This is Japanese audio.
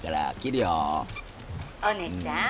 「おねさん？